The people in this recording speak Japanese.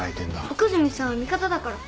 奥泉さんは味方だから。